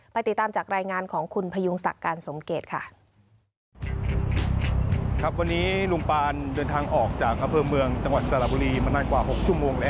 ติดตามจากรายงานของคุณพยุงศักดิ์การสมเกตค่ะ